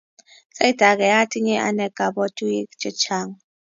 Sait ake atinye ane kapwotuyik chechang'